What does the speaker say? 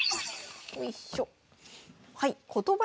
よいしょ。